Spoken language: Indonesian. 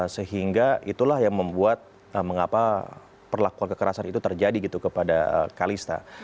sehingga itulah yang membuat mengapa perlakuan kekerasan itu terjadi gitu kepada kalista